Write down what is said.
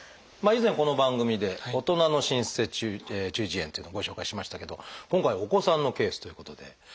以前この番組で大人の滲出性中耳炎っていうのをご紹介しましたけど今回お子さんのケースということで。